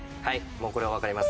もうこれはわかります。